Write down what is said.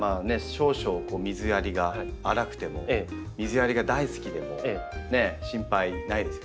少々水やりが荒くても水やりが大好きでも心配ないですよね。